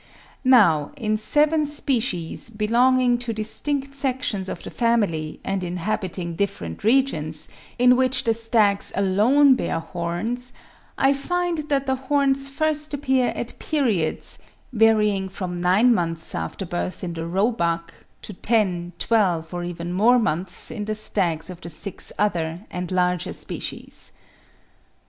Now in seven species, belonging to distinct sections of the family and inhabiting different regions, in which the stags alone bear horns, I find that the horns first appear at periods, varying from nine months after birth in the roebuck, to ten, twelve or even more months in the stags of the six other and larger species.